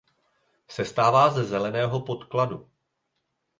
Sestává ze zeleného podkladu.